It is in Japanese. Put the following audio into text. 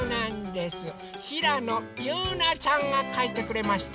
ひらのゆうなちゃんがかいてくれました。